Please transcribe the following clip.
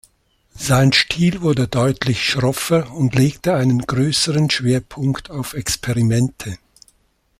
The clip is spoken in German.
Sein Stil wurde deutlich schroffer und legte einen größeren Schwerpunkt auf Experimente.